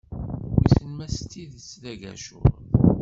Wissen ma s tidet d agacur.